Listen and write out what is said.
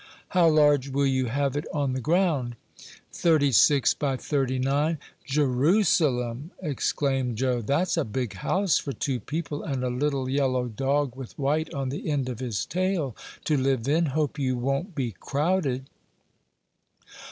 "How large will you have it on the ground?" "Thirty six by thirty nine." "Jerusalem!" exclaimed Joe; "that's a big house for two people, and a little yellow dog with white on the end of his tail, to live in; hope you won't be crowded."